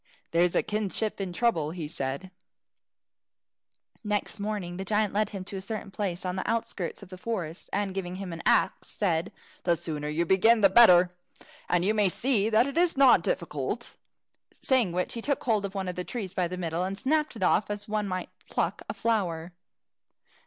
"There's a kinship in trouble," said he. Next morning the giant led him to a certain place on the outskirts of the forest, and giving him an axe, said, "The sooner you begin, the better, and you may see that it is not difficult." Saying which, he took hold of one of the trees by the middle, and snapped it off as one might pluck a flower.